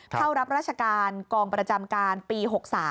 เข้ารับราชการกองประจำการปี๖๓